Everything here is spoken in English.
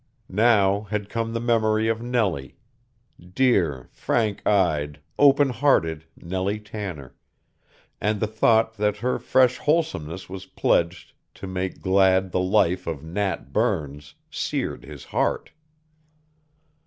Now had come the memory of Nellie dear, frank eyed, open hearted Nellie Tanner and the thought that her fresh wholesomeness was pledged to make glad the life of Nat Burns seared his heart.